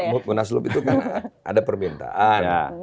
ya menurut menasdup itu kan ada permintaan